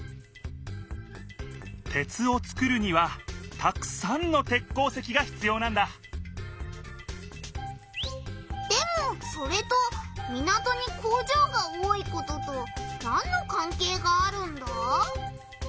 鉄を作るにはたくさんの鉄鉱石がひつようなんだでもそれと港に工場が多いこととなんのかんけいがあるんだ？